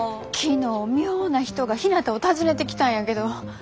昨日妙な人がひなたを訪ねてきたんやけど。